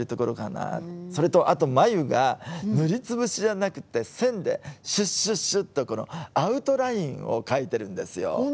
それと、あと眉が塗り潰しじゃなくて線で、シュッシュッシュとアウトラインを描いてるんですよ。